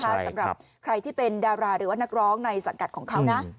สำหรับใครที่เป็นดาราหรือว่านักร้องในสังกัดของเขานะ